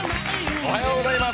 おはようございます。